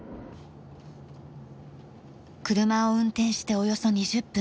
車を運転しておよそ２０分。